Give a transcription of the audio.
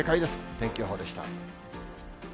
天気予報でした。